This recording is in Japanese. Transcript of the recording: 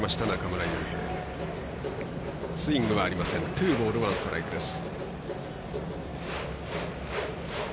ツーボール、ワンストライクです。